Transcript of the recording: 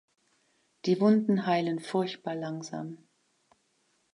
Die Wunden heilen furchtbar langsam.